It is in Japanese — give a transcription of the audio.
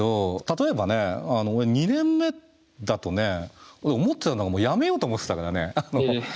例えばね俺２年目だとね思ってたのがもうやめようと思ってたからね。